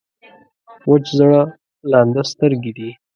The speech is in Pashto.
وچ زړه لانده سترګې دي.